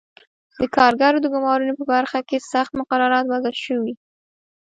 د کارګرو د ګومارنې په برخه کې سخت مقررات وضع شوي.